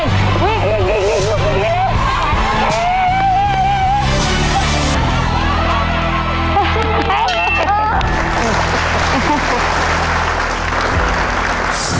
อีน